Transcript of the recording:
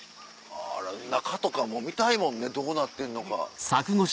中とかも見たいもんねどうなってるのか。